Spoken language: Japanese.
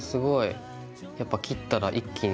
やっぱ切ったら一気に。